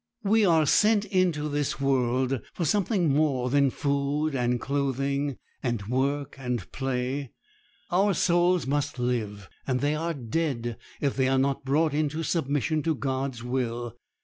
We are sent into this world for something more than food and clothing, and work and play. Our souls must live, and they are dead if they are not brought into submission to God's will.